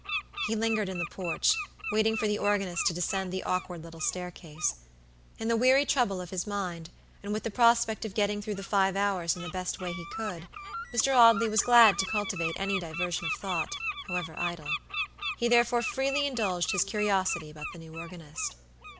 He lingered in the porch, waiting for the organist to descend the awkward little stair case. In the weary trouble of his mind, and with the prospect of getting through the five hours in the best way he could, Mr. Audley was glad to cultivate any diversion of thought, however idle. He therefore freely indulged his curiosity about the new organist.